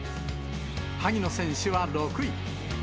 萩野選手は６位。